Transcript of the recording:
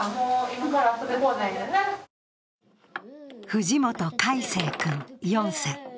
藤本櫂成君４歳。